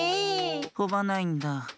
とばないんだ。